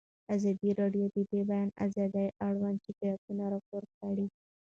ازادي راډیو د د بیان آزادي اړوند شکایتونه راپور کړي.